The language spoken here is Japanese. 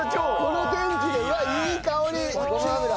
この天気でうわっいい香りごま油。